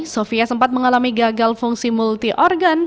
sofia sempat mengalami gagal fungsi multi organ